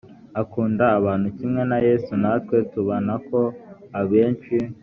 akunda abantu kimwe na yesu natwe tubona ko abenshi